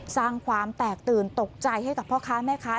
สร้างความแตกตื่นตกใจให้กับพ่อค้าแม่ค้า